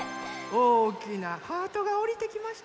おおきなハートがおりてきました。